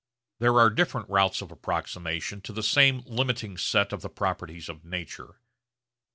There are different routes of approximation to the same limiting set of the properties of nature.